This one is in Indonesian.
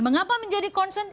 mengapa menjadi concern